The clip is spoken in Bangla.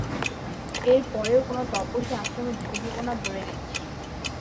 এরপরেও কোন তপস্বী আশ্রমে যেতে দিবো না বলে দিচ্ছি!